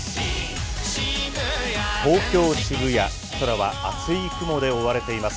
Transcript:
東京・渋谷、空は厚い雲で覆われています。